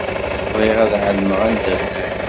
Bɣiɣ ad εelmeɣ anda llan.